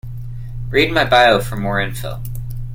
Read my bio for more info.